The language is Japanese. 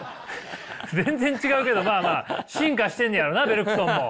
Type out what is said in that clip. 全然違うけどまあまあ進化してんねやろなベルクソンも。